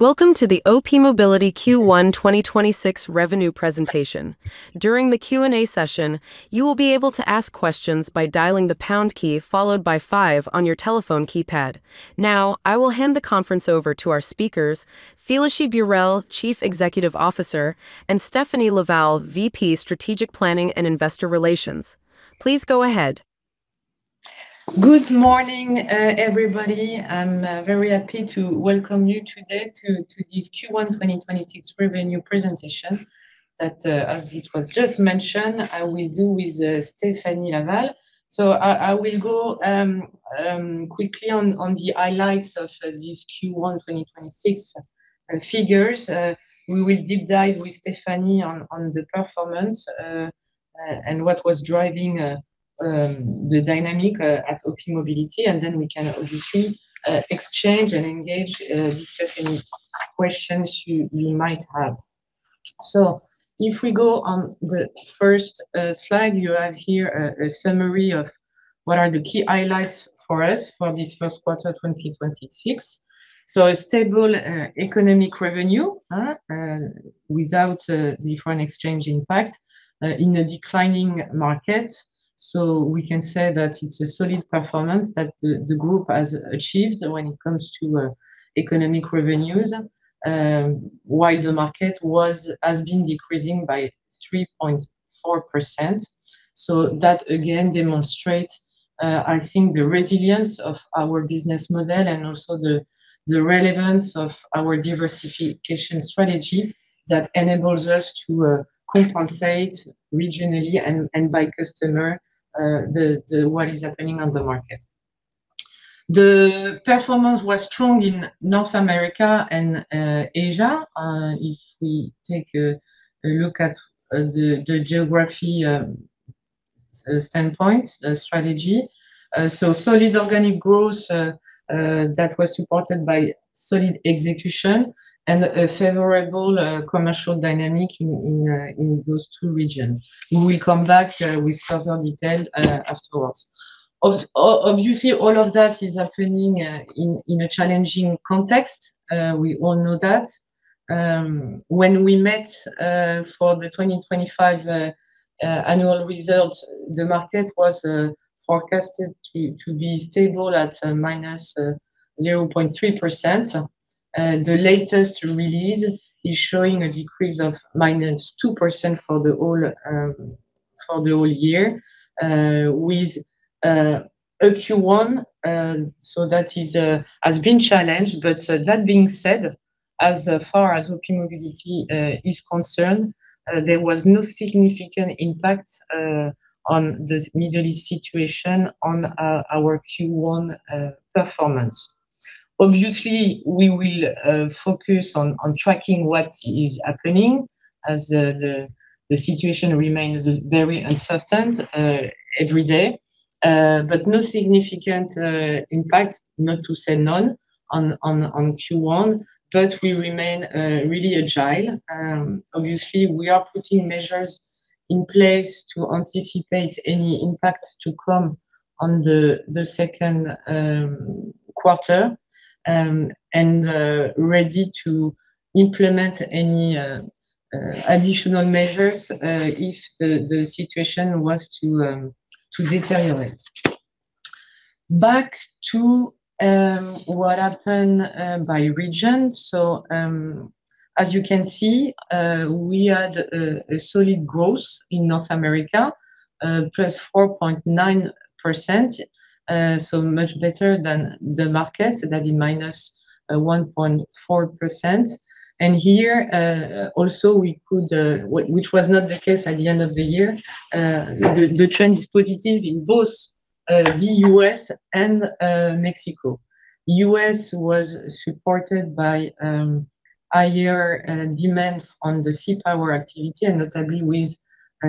Welcome to the OPmobility Q1 2026 revenue presentation. During the Q&A session, you will be able to ask questions by dialing the pound key followed by five on your telephone keypad. Now, I will hand the conference over to our speakers, Félicie Burelle, Chief Executive Officer, and Stéphanie Laval, VP, Strategic Planning and Investor Relations. Please go ahead. Good morning, everybody. I'm very happy to welcome you today to this Q1 2026 revenue presentation that, as it was just mentioned, I will do with Stéphanie Laval. I will go quickly on the highlights of these Q1 2026 figures. We will deep dive with Stéphanie on the performance, and what was driving the dynamic at OPmobility, and then we can obviously exchange and engage discussing questions you might have. If we go on the first slide, you have here a summary of what are the key highlights for us for this first quarter 2026. A stable economic revenue without FX impact in a declining market. We can say that it's a solid performance that the group has achieved when it comes to economic revenues, while the market has been decreasing by 3.4%. That again demonstrates, I think, the resilience of our business model and also the relevance of our diversification strategy that enables us to compensate regionally and by customer, what is happening on the market. The performance was strong in North America and Asia. If we take a look at the geography standpoint, the strategy, solid organic growth that was supported by solid execution and a favorable commercial dynamic in those two regions. We will come back with further detail afterwards. Obviously, all of that is happening in a challenging context. We all know that. When we met for the 2025 annual results, the market was forecasted to be stable at -0.3%. The latest release is showing a decrease of -2% for the whole year with a Q1. That has been challenged, but that being said, as far as OPmobility is concerned, there was no significant impact on the Middle East situation on our Q1 performance. Obviously, we will focus on tracking what is happening as the situation remains very uncertain every day. No significant impact, not to say none, on Q1, but we remain really agile. Obviously, we are putting measures in place to anticipate any impact to come on the second quarter, and ready to implement any additional measures if the situation was to deteriorate. Back to what happened by region. As you can see, we had a solid growth in North America, +4.9%. Much better than the market that is -1.4%. Which was not the case at the end of the year. The trend is positive in both the U.S. and Mexico. U.S. was supported by higher demand on the C-Power activity, and notably with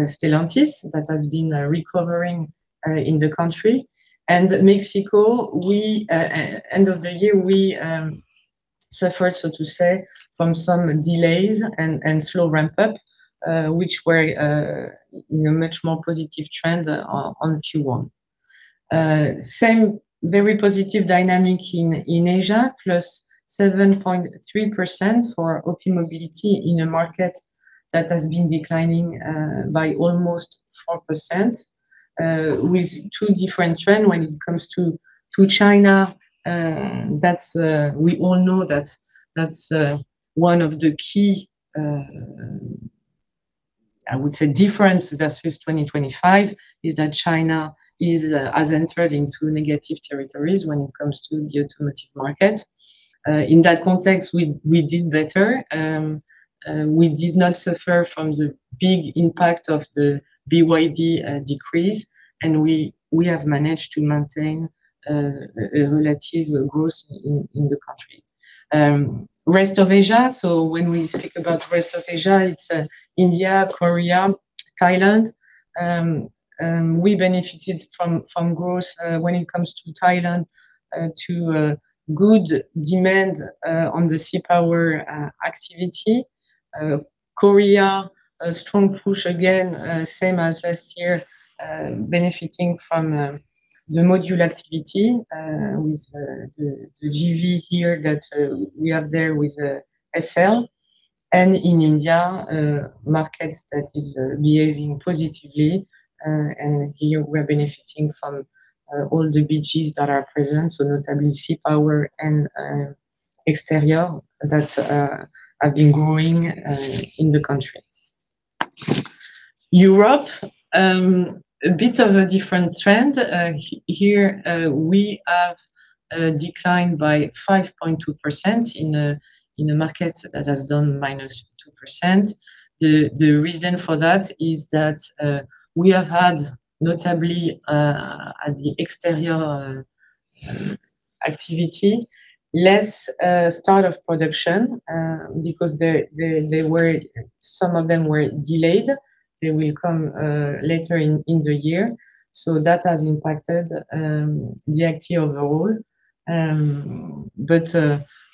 Stellantis that has been recovering in the country. Mexico, end of the year, we suffered, so to say, from some delays and slow ramp-up, which were much more positive trend on Q1. Same very positive dynamic in Asia, +7.3% for OPmobility in a market that has been declining by almost 4%, with two different trend when it comes to China. We all know that's one of the key, I would say, difference versus 2025, is that China has entered into negative territories when it comes to the automotive market. In that context, we did better. We did not suffer from the big impact of the BYD decrease, and we have managed to maintain a relative growth in the country. Rest of Asia. When we speak about rest of Asia, it's India, Korea, Thailand. We benefited from growth when it comes to Thailand due to good demand on the C-Power activity. Korea, a strong push again, same as last year, benefiting from the Modules activity with the JV here that we have there with SHB. In India, markets that is behaving positively, and here we're benefiting from all the BGs that are present, so notably C-Power and Exterior that have been growing in the country. Europe, a bit of a different trend. Here, we have a decline by 5.2% in a market that has done -2%. The reason for that is that we have had notably at the Exterior activity, less start of production because some of them were delayed. They will come later in the year. That has impacted the activity overall.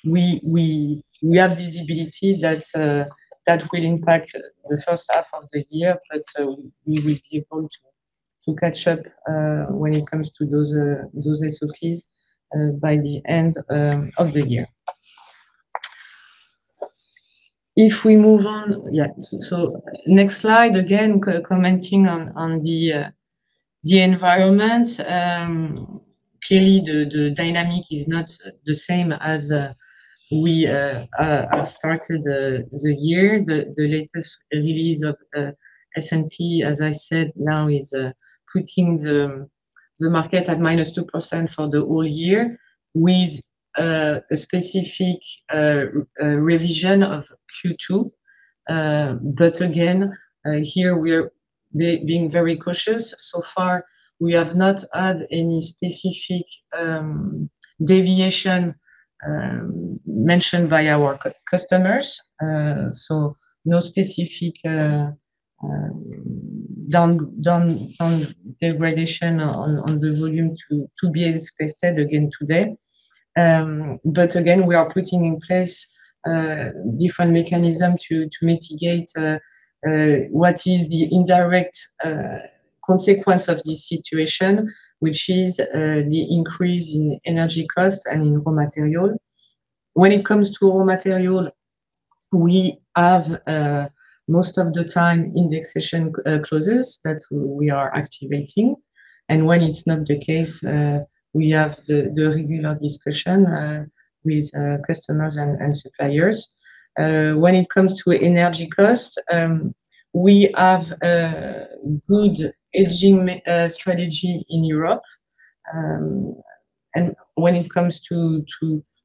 We have visibility that will impact the first half of the year, but we will be able to catch up when it comes to those SOPs by the end of the year. If we move on. Yeah, next slide. Again, commenting on the environment. Clearly, the dynamic is not the same as we have started the year. The latest release of S&P, as I said, now is putting the market at -2% for the whole year with a specific revision of Q2. Here we are being very cautious. Far we have not had any specific deviation mentioned by our customers. No specific degradation on the volume to be expected again today. We are putting in place different mechanism to mitigate what is the indirect consequence of this situation, which is the increase in energy cost and in raw material. When it comes to raw material, we have, most of the time, indexation clauses that we are activating. When it's not the case, we have the regular discussion with customers and suppliers. When it comes to energy cost, we have a good hedging strategy in Europe. When it comes to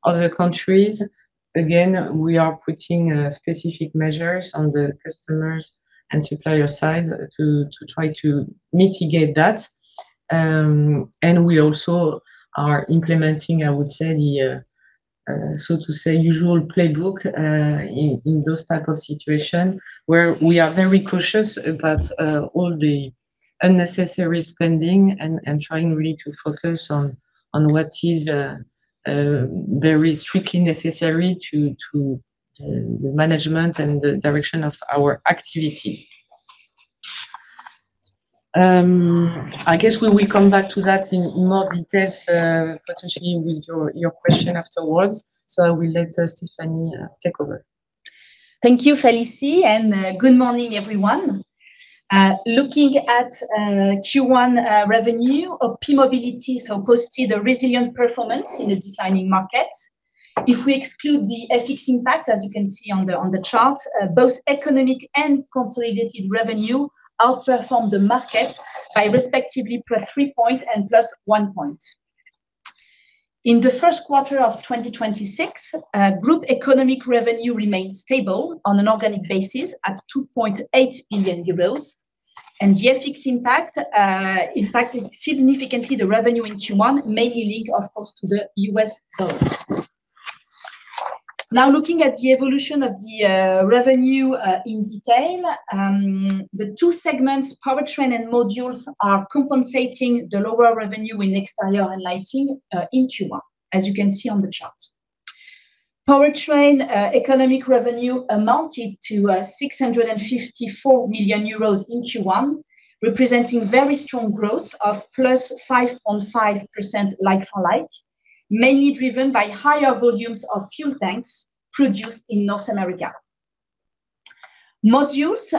other countries, again, we are putting specific measures on the customers and supplier side to try to mitigate that. We also are implementing, I would say, the so to say, usual playbook, in those type of situation where we are very cautious about all the unnecessary spending and trying really to focus on what is very strictly necessary to the management and the direction of our activities. I guess we will come back to that in more details, potentially with your question afterwards. I will let Stéphanie take over. Thank you, Félicie, and good morning, everyone. Looking at Q1 revenue of OPmobility, so posted a resilient performance in a declining market. If we exclude the FX impact, as you can see on the chart, both economic and consolidated revenue outperformed the market by respectively +3 points and +1 point. In the first quarter of 2026, group economic revenue remained stable on an organic basis at 2.8 billion euros. The FX impact, in fact, significantly the revenue in Q1, mainly linked, of course, to the U.S. dollar. Now looking at the evolution of the revenue in detail. The two segments, Powertrain and Modules, are compensating the lower revenue in Exterior and Lighting in Q1, as you can see on the chart. Powertrain economic revenue amounted to 654 million euros in Q1, representing very strong growth of +5.5% like-for-like, mainly driven by higher volumes of fuel tanks produced in North America. Modules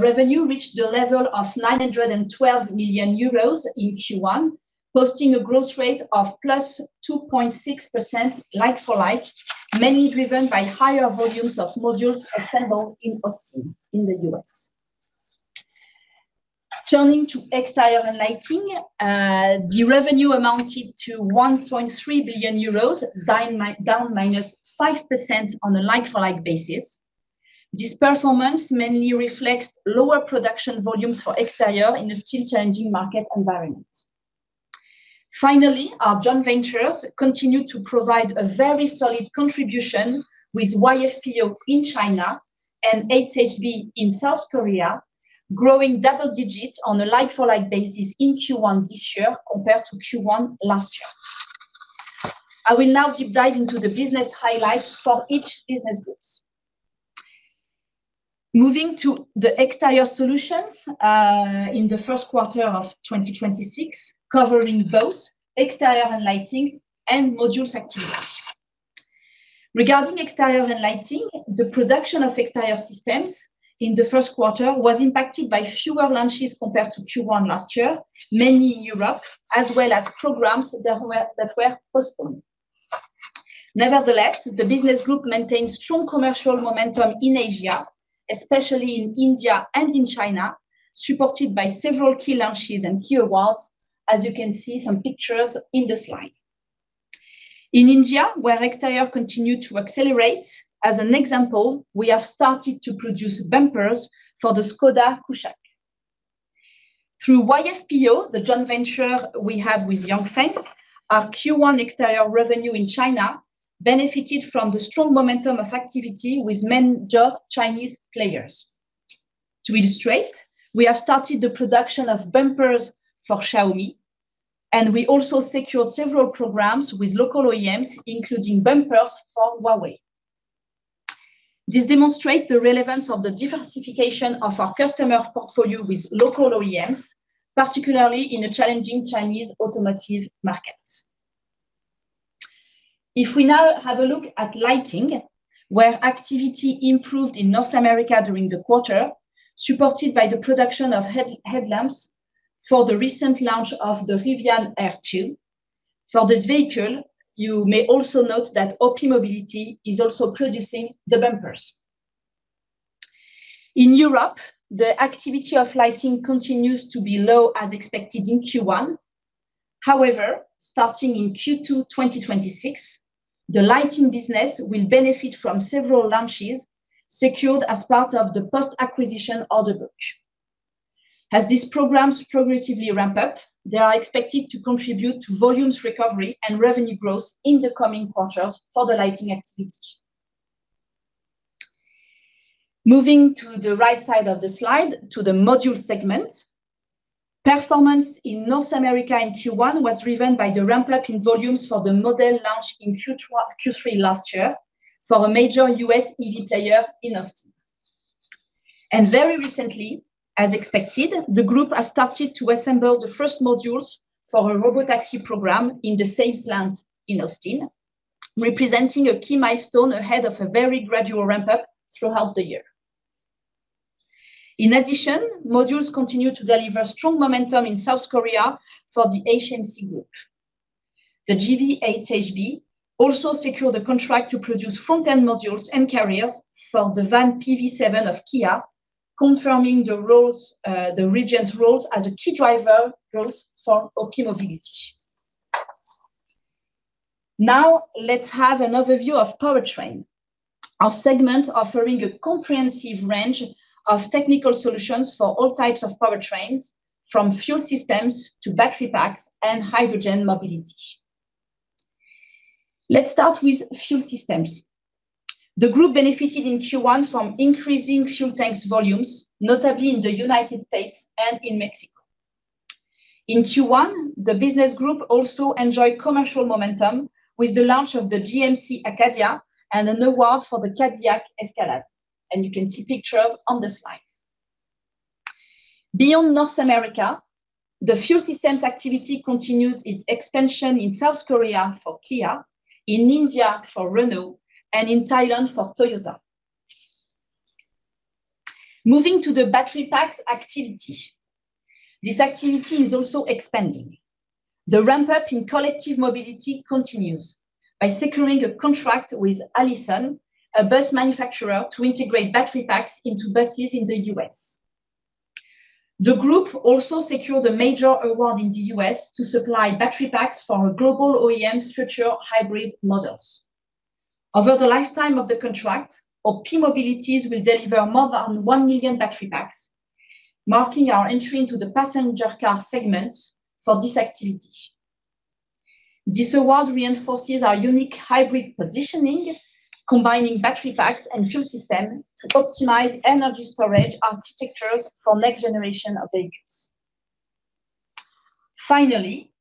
revenue reached a level of 912 million euros in Q1, posting a growth rate of +2.6% like-for-like, mainly driven by higher volumes of modules assembled in Austin in the U.S. Turning to Exterior and Lighting. The revenue amounted to 1.3 billion euros, down -5% on a like-for-like basis. This performance mainly reflects lower production volumes for Exterior in a still changing market environment. Finally, our joint ventures continue to provide a very solid contribution with YFPO in China and SHB in South Korea, growing double digits on a like-for-like basis in Q1 this year compared to Q1 last year. I will now deep dive into the business highlights for each business groups. Moving to the Exterior solutions in the first quarter of 2026, covering both Exterior and Lighting and Modules activities. Regarding Exterior and Lighting, the production of exterior systems in the first quarter was impacted by fewer launches compared to Q1 last year, mainly in Europe, as well as programs that were postponed. Nevertheless, the business group maintains strong commercial momentum in Asia, especially in India and in China, supported by several key launches and key awards, as you can see some pictures in the slide. In India, where Exterior continued to accelerate, as an example, we have started to produce bumpers for the Škoda Kushaq. Through YFPO, the joint venture we have with Yanfeng, our Q1 Exterior revenue in China benefited from the strong momentum of activity with major Chinese players. To illustrate, we have started the production of bumpers for Xiaomi, and we also secured several programs with local OEMs, including bumpers for Huawei. This demonstrates the relevance of the diversification of our customer portfolio with local OEMs, particularly in a challenging Chinese automotive market. If we now have a look at Lighting, where activity improved in North America during the quarter, supported by the production of headlamps for the recent launch of the Rivian R2. For this vehicle, you may also note that OPmobility is also producing the bumpers. In Europe, the activity of Lighting continues to be low as expected in Q1. However, starting in Q2 2026, the Lighting business will benefit from several launches secured as part of the post-acquisition order book. As these programs progressively ramp up, they are expected to contribute to volumes recovery and revenue growth in the coming quarters for the Lighting activity. Moving to the right side of the slide to the Modules segment. Performance in North America in Q1 was driven by the ramp-up in volumes for the model launch in Q3 last year for a major U.S. EV player in Austin. Very recently, as expected, the group has started to assemble the first modules for a robotaxi program in the same plant in Austin, representing a key milestone ahead of a very gradual ramp-up throughout the year. In addition, Modules continue to deliver strong momentum in South Korea for the HMG group. The GV80 also secured a contract to produce front-end modules and carriers for the Kia PV7 van, confirming the region's roles as a key driver growth for OPmobility. Now, let's have an overview of Powertrain. Our segment offering a comprehensive range of technical solutions for all types of powertrains, from fuel systems to battery packs and hydrogen mobility. Let's start with fuel systems. The group benefited in Q1 from increasing fuel tanks volumes, notably in the United States and in Mexico. In Q1, the business group also enjoyed commercial momentum with the launch of the GMC Acadia and an award for the Cadillac Escalade, and you can see pictures on the slide. Beyond North America, the fuel systems activity continued its expansion in South Korea for Kia, in India for Renault, and in Thailand for Toyota. Moving to the battery packs activity. This activity is also expanding. The ramp-up in collective mobility continues by securing a contract with Allison, a bus manufacturer, to integrate battery packs into buses in the U.S. The group also secured a major award in the U.S. to supply battery packs for a global OEM structured hybrid models. Over the lifetime of the contract, OPmobility will deliver more than 1 million battery packs, marking our entry into the passenger car segment for this activity. This award reinforces our unique hybrid positioning, combining battery packs and fuel system to optimize energy storage architectures for next generation of vehicles. Finally,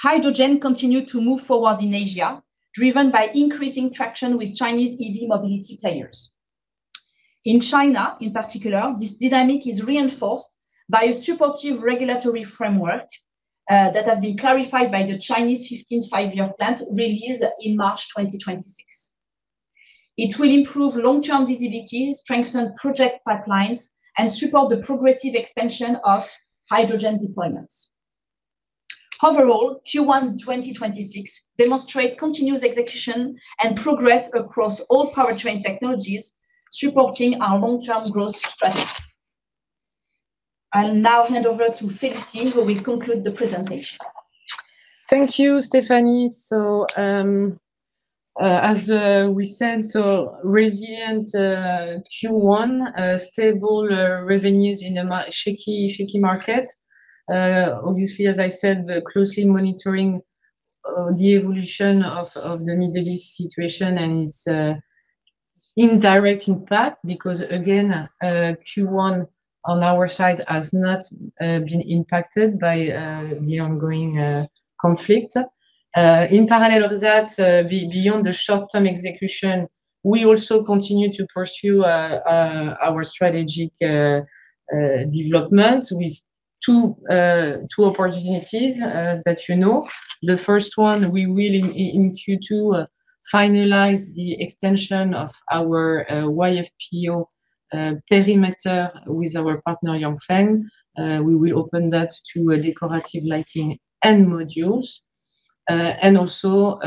hydrogen continued to move forward in Asia, driven by increasing traction with Chinese EV mobility players. In China, in particular, this dynamic is reinforced by a supportive regulatory framework that has been clarified by the Chinese 15th Five-Year Plan released in March 2026. It will improve long-term visibility, strengthen project pipelines, and support the progressive expansion of hydrogen deployments. Overall, Q1 2026 demonstrate continuous execution and progress across all powertrain technologies, supporting our long-term growth strategy. I'll now hand over to Félicie, who will conclude the presentation. Thank you, Stéphanie. As we said, resilient Q1, stable revenues in a shaky market. Obviously, as I said, we're closely monitoring the evolution of the Middle East situation and its indirect impact. Because again, Q1 on our side has not been impacted by the ongoing conflict. In parallel of that, beyond the short-term execution, we also continue to pursue our strategic development with two opportunities that you know. The first one, we will in Q2 finalize the extension of our YFPO perimeter with our partner Yanfeng. We will open that to decorative lighting and modules. We also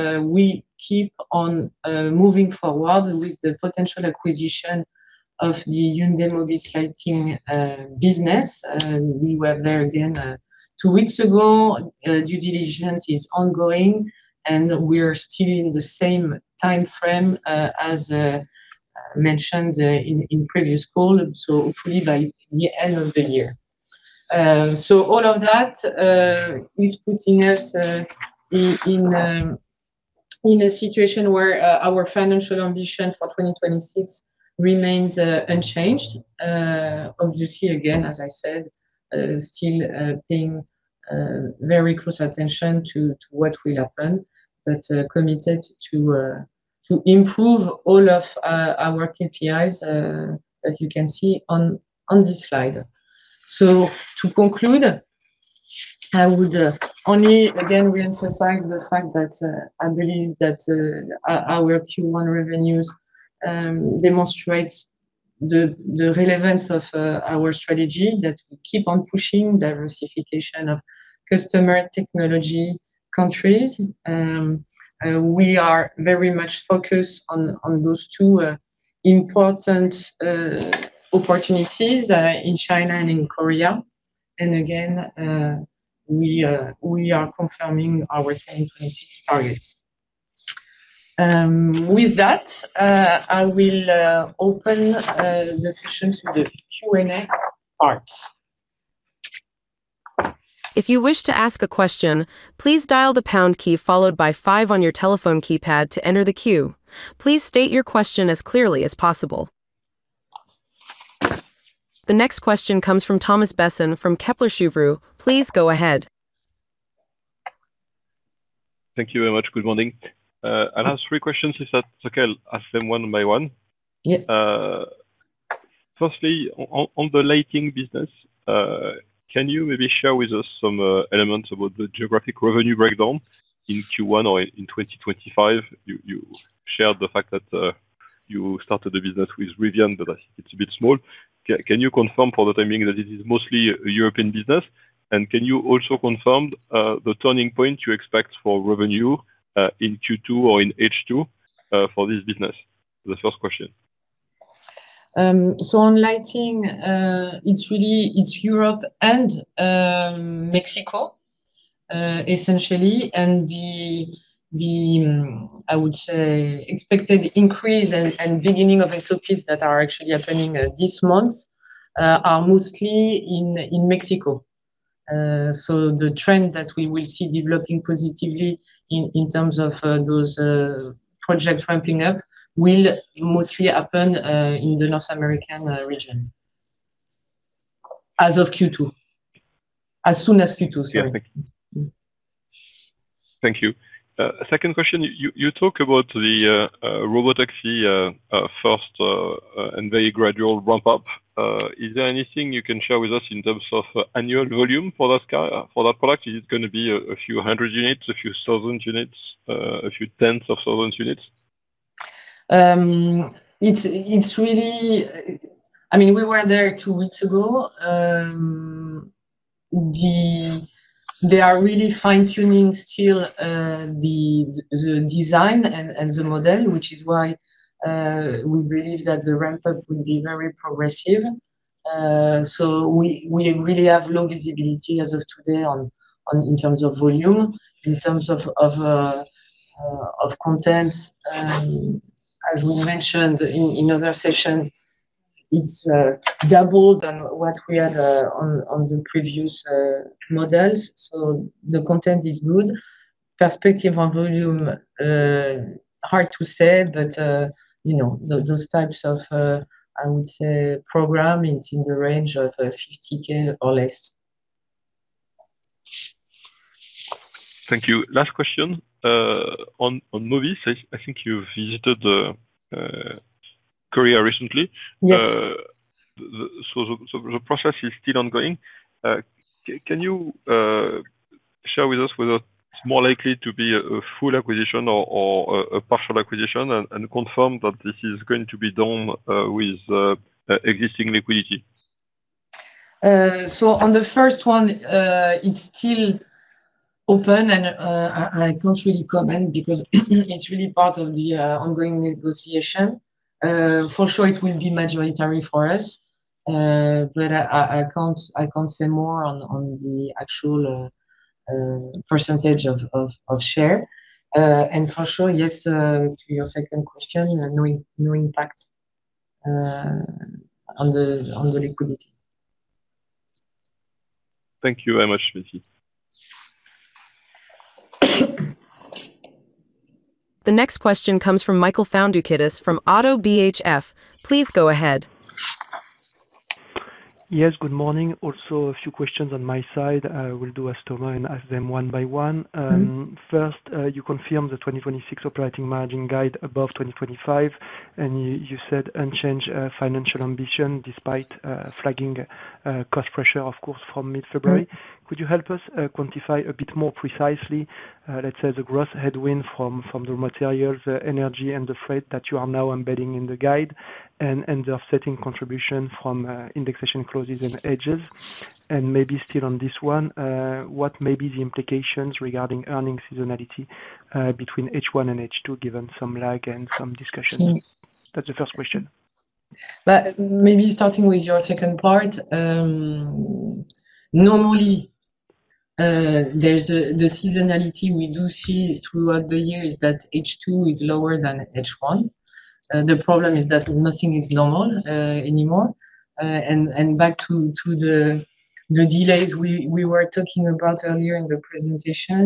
keep on moving forward with the potential acquisition of the Hyundai MOBIS lighting business. We were there again two weeks ago. Due diligence is ongoing, and we are still in the same timeframe as mentioned in previous call, so hopefully by the end of the year. All of that is putting us in a situation where our financial ambition for 2026 remains unchanged. Obviously, again, as I said, still paying very close attention to what will happen, but committed to improve all of our KPIs, as you can see on this slide. To conclude, I would only again emphasize the fact that I believe that our Q1 revenues demonstrates the relevance of our strategy that we keep on pushing diversification of customer technology countries. We are very much focused on those two important opportunities in China and in Korea. Again, we are confirming our 2026 targets. With that, I will open the session to the Q&A part. If you wish to ask a question, please dial the pound key followed by five on your telephone keypad to enter the queue. Please state your question as clearly as possible. The next question comes from Thomas Besson from Kepler Cheuvreux. Please go ahead. Thank you very much. Good morning. I'll ask three questions if that's okay. I'll ask them one by one. Firstly, on the lighting business, can you maybe share with us some elements about the geographic revenue breakdown in Q1 or in 2025? You shared the fact that you started the business with Rivian, but it's a bit small. Can you confirm for the time being that it is mostly a European business? Can you also confirm the turning point you expect for revenue, in Q2 or in H2 for this business? The first question. On Lighting, it's Europe and Mexico, essentially. The, I would say, expected increase and beginning of SOPs that are actually happening this month are mostly in Mexico. The trend that we will see developing positively in terms of those projects ramping up will mostly happen in the North American region as soon as Q2, sorry. Yeah, thank you. Second question, you talk about the robotaxi first and very gradual ramp-up. Is there anything you can share with us in terms of annual volume for that product? Is it going to be a few hundred units, a few thousand units, a few tens of thousands units? We were there two weeks ago. They are really fine-tuning still the design and the model, which is why we believe that the ramp-up will be very progressive. We really have low visibility as of today in terms of volume. In terms of content, as we mentioned in other session, it's double than what we had on the previous models. The content is good. Perspective on volume, hard to say, but those types of, I would say, program is in the range of 50,000 or less. Thank you. Last question. On MOBIS, I think you visited Korea recently? Yes. The process is still ongoing. Can you share with us whether it's more likely to be a full acquisition or a partial acquisition and confirm that this is going to be done with existing liquidity? On the first one, it's still open, and I can't really comment because it's really part of the ongoing negotiation. For sure it will be majority for us. I can't say more on the actual percentage of share. For sure, yes to your second question, no impact on the liquidity. Thank you very much, Félicie. The next question comes from Michael Foundoukidis from ODDO BHF. Please go ahead. Yes, good morning. Also, a few questions on my side. I will ask them one by one. First, you confirm the 2026 operating margin guide above 2025, and you said unchanged financial ambition despite flagging cost pressure, of course, from mid-February. Right. Could you help us quantify a bit more precisely, let's say, the growth headwind from the materials, the energy, and the freight that you are now embedding in the guide and the offsetting contribution from indexation clauses and hedges? And maybe still on this one, what may be the implications regarding earnings seasonality between H1 and H2, given some lag and some discussions? That's the first question. Maybe starting with your second part. Normally, the seasonality we do see throughout the year is that H2 is lower than H1. The problem is that nothing is normal anymore. Back to the delays we were talking about earlier in the presentation,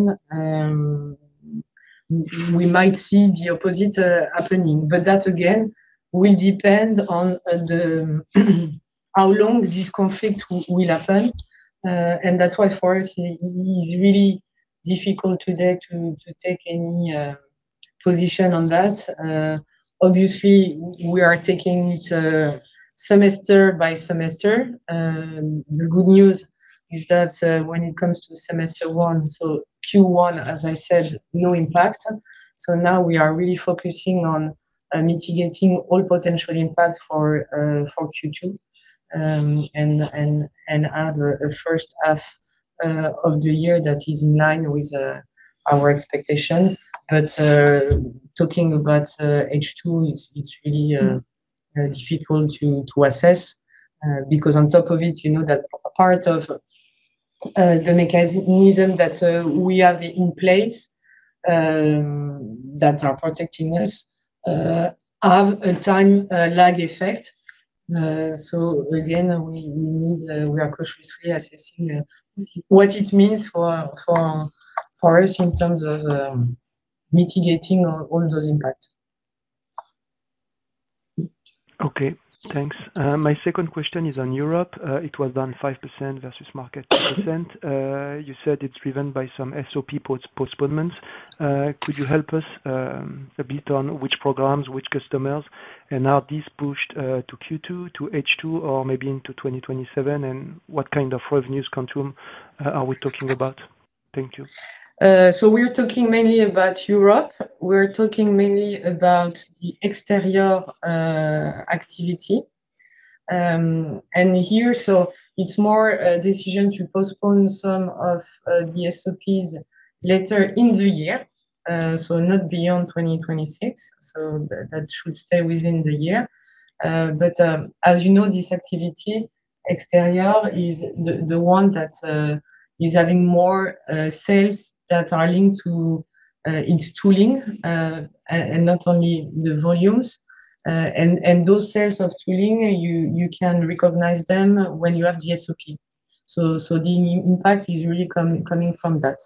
we might see the opposite happening. That, again, will depend on how long this conflict will happen. That's why for us, it's really difficult today to take any position on that. Obviously, we are taking it semester by semester. The good news is that when it comes to semester one, so Q1, as I said, no impact. Now we are really focusing on mitigating all potential impact for Q2, and have a first half of the year that is in line with our expectation. Talking about H2, it's really difficult to assess, because on top of it, you know that part of the mechanism that we have in place that are protecting us have a time lag effect. Again, we are cautiously assessing what it means for us in terms of mitigating all those impacts. Okay, thanks. My second question is on Europe. It was down 5% versus market 2%. You said it's driven by some SOP postponements. Could you help us a bit on which programs, which customers? And are these pushed to Q2, to H2, or maybe into 2027? And what kind of revenues control are we talking about? Thank you. We're talking mainly about Europe. We're talking mainly about the Exterior activity. It's more a decision to postpone some of the SOPs later in the year, so not beyond 2026. That should stay within the year. As you know, this activity, Exterior, is the one that is having more sales that are linked to its tooling, and not only the volumes. Those sales of tooling, you can recognize them when you have the SOP. The impact is really coming from that,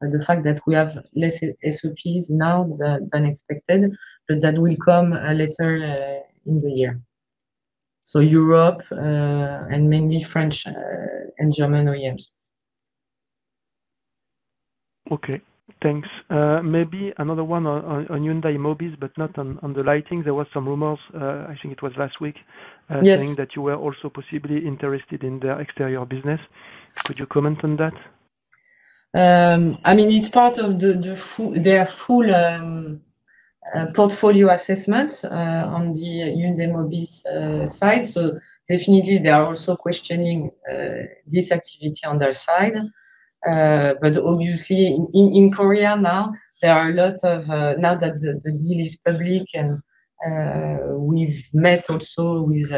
the fact that we have less SOPs now than expected, but that will come later in the year. Europe, and mainly French and German OEMs. Okay, thanks. Maybe another one on Hyundai MOBIS, but not on the Lighting. There were some rumors, I think it was last week, saying that you were also possibly interested in their Exterior business. Could you comment on that? Yes, it's part of their full portfolio assessment on the Hyundai MOBIS side. Definitely, they are also questioning this activity on their side. Obviously in Korea now that the deal is public, and we've met also with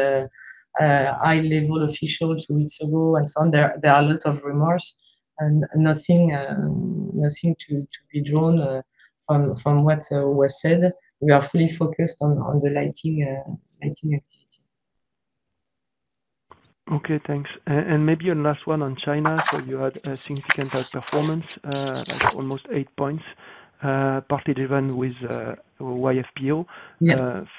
high-level officials two weeks ago and so on, there are a lot of rumors and nothing to be drawn from what was said. We are fully focused on the Lighting activity. Okay, thanks. Maybe a last one on China. You had a significant outperformance, almost 8 points, partly driven with YFPO.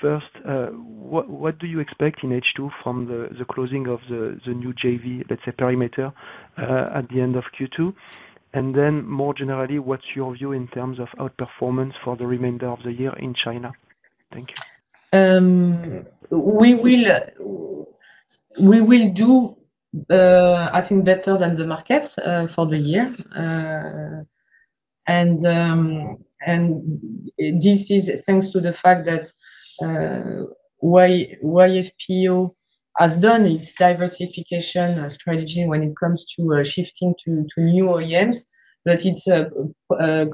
First, what do you expect in H2 from the closing of the new JV, let's say perimeter, at the end of Q2? More generally, what's your view in terms of outperformance for the remainder of the year in China? Thank you. We will do, I think, better than the market for the year. This is thanks to the fact that YFPO has done its diversification strategy when it comes to shifting to new OEMs, that its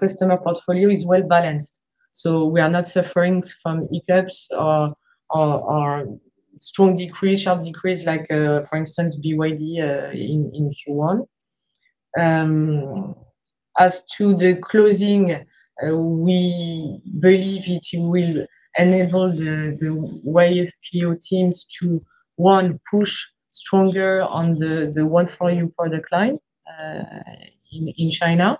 customer portfolio is well-balanced. We are not suffering from ICAPS or strong decrease, sharp decrease like, for instance, BYD in Q1. As to the closing, we believe it will enable the YFPO teams to, one, push stronger on the high volume product line in China,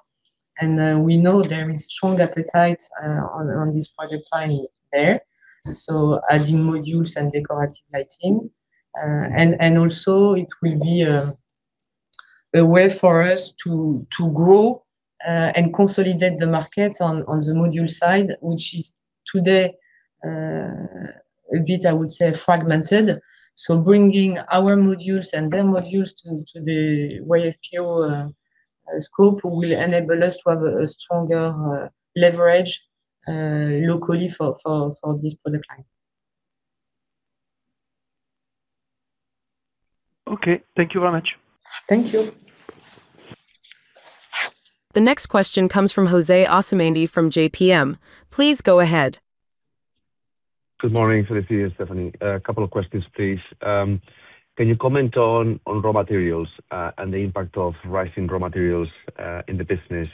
adding modules and decorative lighting. We know there is strong appetite on this product line there. It will be a way for us to grow and consolidate the market on the module side, which is today a bit, I would say, fragmented. Bringing our modules and their modules to the YFPO scope will enable us to have a stronger leverage locally for this product line. Okay, thank you very much. Thank you. The next question comes from José Asumendi from JPMorgan. Please go ahead. Good morning, Félicie and Stéphanie. A couple of questions, please. Can you comment on raw materials and the impact of rising raw materials in the business,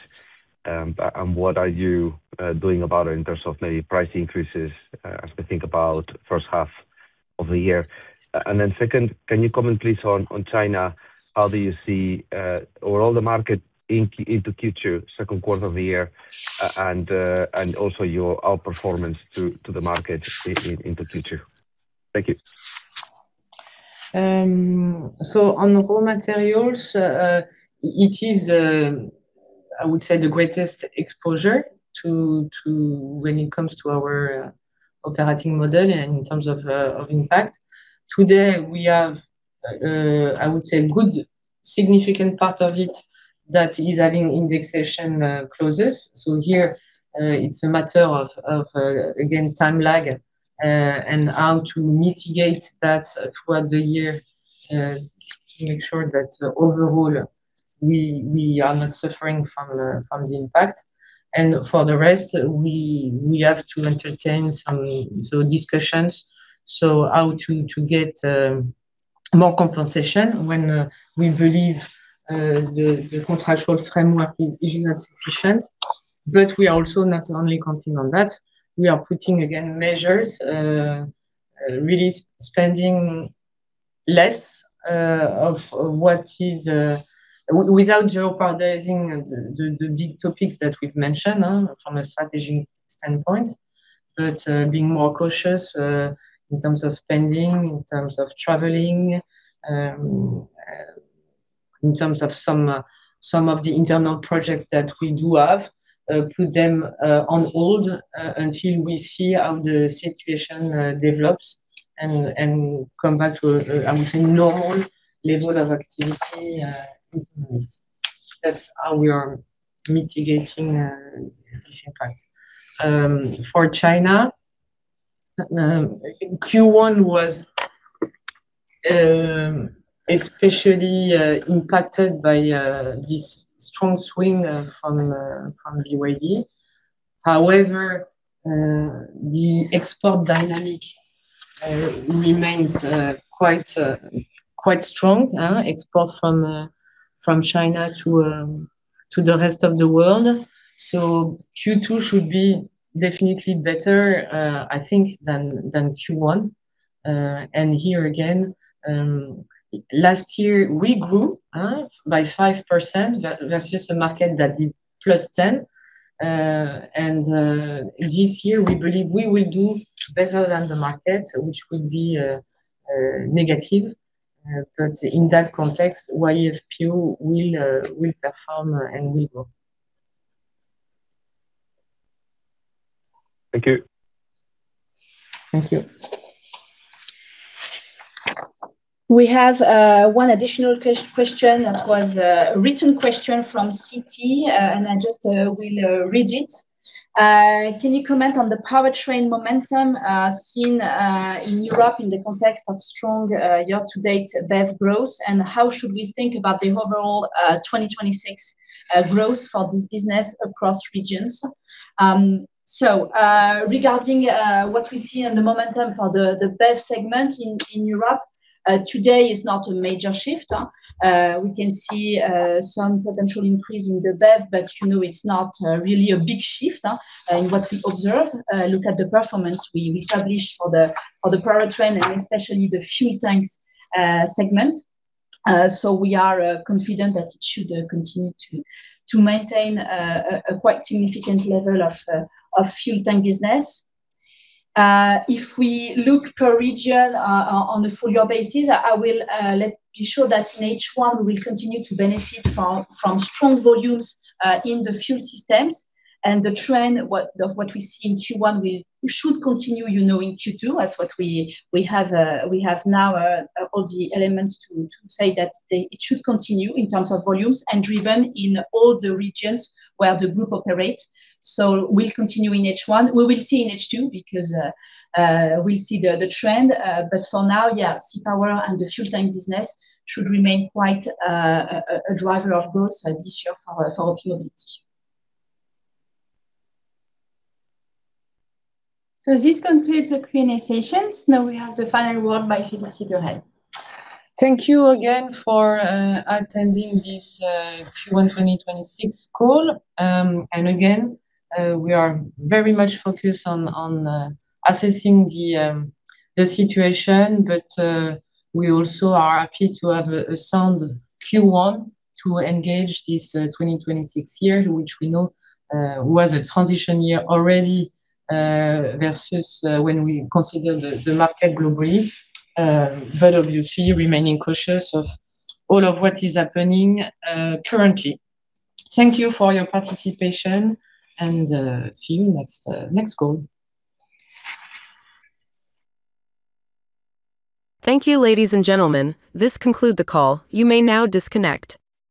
and what are you doing about it in terms of maybe price increases as we think about first half of the year? Second, can you comment please on China? How do you see overall the market into future second quarter of the year and also your outperformance to the market in the future? Thank you. On raw materials, it is, I would say, the greatest exposure when it comes to our operating model in terms of impact. Today, we have, I would say, good significant part of it that is having indexation clauses. Here it's a matter of, again, time lag, and how to mitigate that throughout the year, to make sure that overall we are not suffering from the impact. For the rest, we have to entertain some sort of discussions, so how to get more compensation when we believe the contractual framework is not sufficient. We are also not only counting on that, we are putting, again, measures, really spending less of what is. Without jeopardizing the big topics that we've mentioned from a strategic standpoint, but being more cautious in terms of spending, in terms of traveling, in terms of some of the internal projects that we do have, put them on hold until we see how the situation develops and come back to, I would say, normal level of activity. That's how we are mitigating this impact. For China, Q1 was especially impacted by this strong swing from BYD. However, the export dynamic remains quite strong. Export from China to the rest of the world. Q2 should be definitely better, I think, than Q1. Here again, last year we grew by 5% versus a market that did +10%. This year we believe we will do better than the market, which will be negative. In that context, YFPO will perform and will grow. Thank you. Thank you. We have one additional question that was a written question from Citi, and I just will read it. "Can you comment on the powertrain momentum seen in Europe in the context of strong year-to-date BEV growth, and how should we think about the overall 2026 growth for this business across regions?" Regarding what we see in the momentum for the BEV segment in Europe, today is not a major shift. We can see some potential increase in the BEV, but it's not really a big shift in what we observe. Look at the performance we published for the powertrain and especially the fuel tanks segment. We are confident that it should continue to maintain a quite significant level of fuel tank business. If we look per region on a full year basis, I will be sure that in H1 we'll continue to benefit from strong volumes in the fuel systems and the trend of what we see in Q1 should continue in Q2. That's what we have now, all the elements to say that it should continue in terms of volumes and driven in all the regions where the group operate. We'll continue in H1, we will see in H2 because we see the trend. For now, yeah, C-Power and the fuel tank business should remain quite a driver of growth this year for our profitability. This concludes the Q&A session. Now we have the final word by Félicie Burelle. Thank you again for attending this Q1 2026 call. Again, we are very much focused on assessing the situation. We also are happy to have a sound Q1 to engage this 2026 year, which we know was a transition year already, versus when we consider the market globally. Obviously remaining cautious of all of what is happening currently. Thank you for your participation, and see you next call. Thank you, ladies and gentlemen. This concludes the call. You may now disconnect.